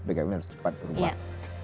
bkkbn harus cepat berubah